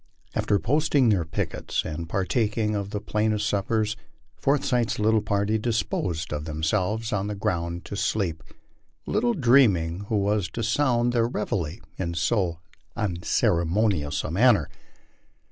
After posting their pickets and partaking of the plainest of suppers, For eyth's little party disposed of themselves on the ground to sleep, little dreaming who was to sound their reveille in so unceremonious a manner.